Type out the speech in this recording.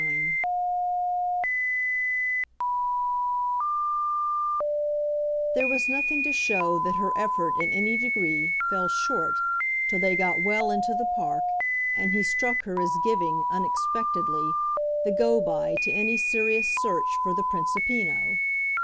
XXIX There was nothing to show that her effort in any degree fell short till they got well into the Park and he struck her as giving, unexpectedly, the go by to any serious search for the Principino.